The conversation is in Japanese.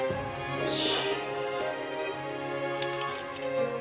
よし。